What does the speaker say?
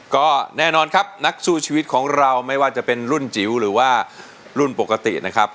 ก็แน่นอนครับนักสู้ชีวิตของเราไม่ว่าจะเป็นรุ่นจิ๋วหรือว่ารุ่นปกตินะครับ